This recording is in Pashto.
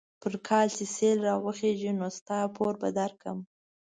پر کال چې سهيل را وخېژي؛ نو ستا پور به در کړم.